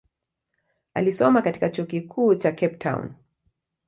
Alisoma katika chuo kikuu cha Cape Town.